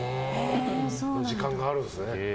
時間があるんですね。